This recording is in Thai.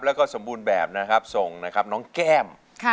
และก็สมบูรณ์แบบทรงน้องแก้ม